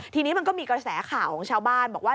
ทีนี้มันก็มีกระแสข่าวของชาวบ้านบอกว่า